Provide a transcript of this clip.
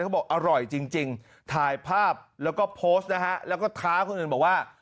บอกอร่อยจริงถ่ายภาพแล้วก็โพสต์นะฮะแล้วก็ท้าคนอื่นบอกว่า